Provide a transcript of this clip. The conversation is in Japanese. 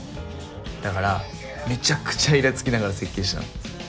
だからめちゃくちゃいらつきながら設計したの。